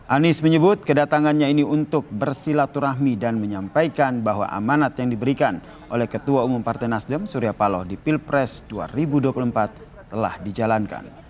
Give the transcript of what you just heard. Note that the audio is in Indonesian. anies menyebut kedatangannya ini untuk bersilaturahmi dan menyampaikan bahwa amanat yang diberikan oleh ketua umum partai nasdem surya paloh di pilpres dua ribu dua puluh empat telah dijalankan